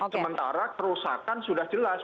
sementara kerusakan sudah jelas